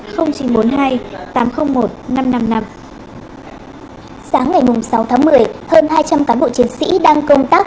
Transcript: sáng ngày sáu tháng một mươi hơn hai trăm linh cán bộ chiến sĩ đang công tác